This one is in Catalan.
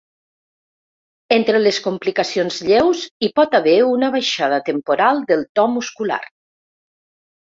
Entre les complicacions lleus hi pot haver una baixada temporal del to muscular.